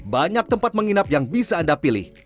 banyak tempat menginap yang bisa anda pilih